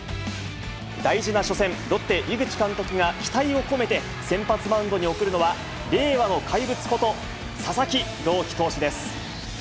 大事な初戦、ロッテ、井口監督が期待を込めて先発マウンドに送るのは、令和の怪物こと、佐々木朗希投手です。